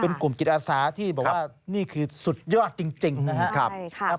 เป็นกลุ่มจิตอาสาที่บอกว่านี่คือสุดยอดจริงนะครับ